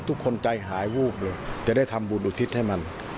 ทุกคนใจหายวูบเลยจะได้ทำบุญอุทิศให้มัน